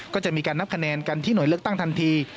ก็จะมีการนับคะแนนกันที่หน่วยเลือกตั้งทันที